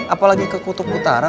apalagi ke kutub utara